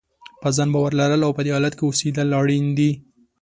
په ځان باور لرل او په دې حالت کې اوسېدل اړین دي.